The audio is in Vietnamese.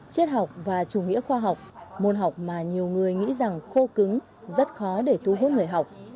triết học và chủ nghĩa khoa học môn học mà nhiều người nghĩ rằng khô cứng rất khó để thu hút người học